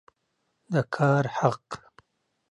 د کار حق